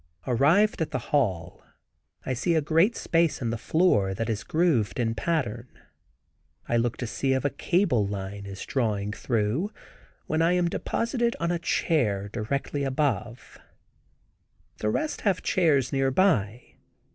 Arrived at the hall I see a great space in the floor, that is grooved in pattern. I look to see if a cable line is drawing through, when I am deposited on a chair directly above. The rest have chairs near by.